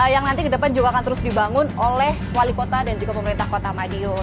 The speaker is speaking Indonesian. yang nanti ke depan juga akan terus dibangun oleh wali kota dan juga pemerintah kota madiun